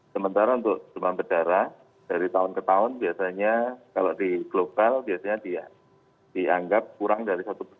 sementara untuk demam berdarah dari tahun ke tahun biasanya kalau di global biasanya dianggap kurang dari satu persen